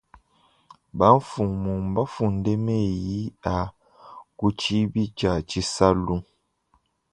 Bamfumu mbafunde meyi a ku tshibi tshia tshisalu.